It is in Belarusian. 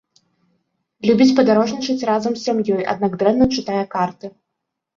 Любіць падарожнічаць разам з сям'ёй, аднак дрэнна чытае карты.